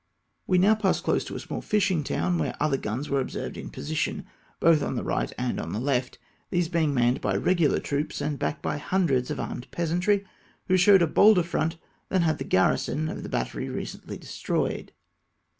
We now passed close to a small fishing town, where other guns were observed in position, both on the right and on the left, these being manned by regular troops and backed by hundreds of armed peasantry, who showed a bolder front than had the garrison of the battery recently destroyed.